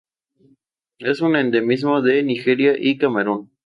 Es un endemismo de Nigeria y Camerún.